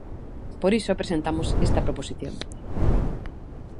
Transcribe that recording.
Por iso presentamos esta proposición.